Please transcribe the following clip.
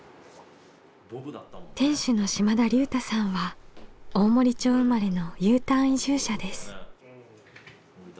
店主の島田竜太さんは大森町生まれのＵターン移住者です。